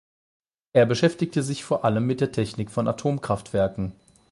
Er beschäftigte sich vor allem mit der Technik von Atomkraftwerken.